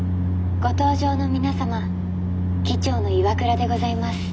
「ご搭乗の皆様機長の岩倉でございます。